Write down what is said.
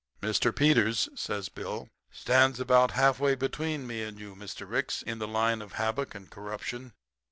Mr. Peters,' says Bill, 'stands about halfway between me and you, Mr. Ricks, in the line of havoc and corruption.